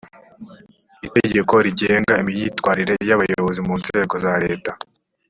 itegeko rigena imyitwarire y’abayobozi mu nzego za leta